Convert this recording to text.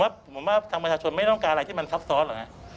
ผมว่าทางประชาชนไม่ต้องการอะไรที่มันซับซ้อนหรอกนะ